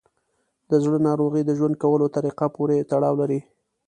د زړه ناروغۍ د ژوند کولو طریقه پورې تړاو لري.